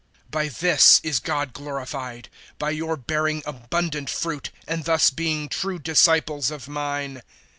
015:008 By this is God glorified by your bearing abundant fruit and thus being true disciples of mine.